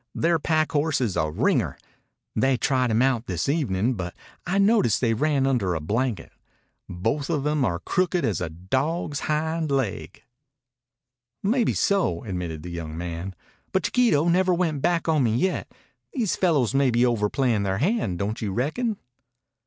Their pack horse is a ringer. They tried him out this evenin', but I noticed they ran under a blanket. Both of 'em are crooked as a dog's hind laig." "Maybeso," admitted the young man. "But Chiquito never went back on me yet. These fellows may be overplayin' their hand, don't you reckon?"